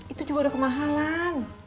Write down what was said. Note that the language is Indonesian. itu juga udah kemahalan